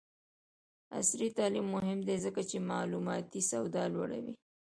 عصري تعلیم مهم دی ځکه چې معلوماتي سواد لوړوي.